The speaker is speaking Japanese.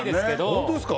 本当ですか？